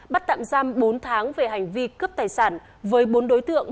bắt tạm giam bốn tháng về hành vi cướp tài sản với bốn đối tượng